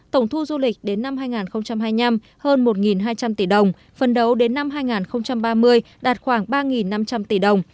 tổng thu du lịch đến năm hai nghìn hai mươi năm hơn một hai trăm linh tỷ đồng phần đấu đến năm hai nghìn ba mươi đạt khoảng ba năm trăm linh tỷ đồng